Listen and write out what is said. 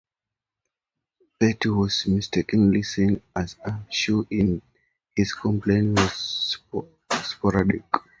Petty was mistakenly seen as a shoo-in and his campaigning was sporadic.